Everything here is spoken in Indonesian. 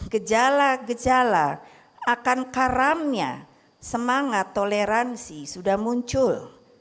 gejala gejala akan karamnya semangat toleransi sudah muncul